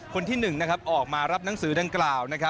คนที่๑ออกมารับหนังสือดังกล่าว